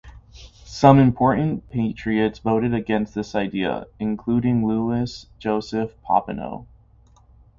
Some important Patriotes voted against this idea, including Louis-Joseph Papineau.